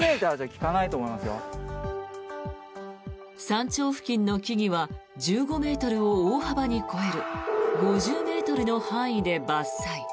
山頂付近の木々は１５ｍを大幅に超える５０ｍの範囲で伐採。